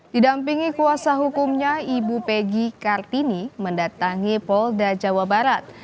didampingi kuasa hukumnya ibu peggy kartini mendatangi polda jawa barat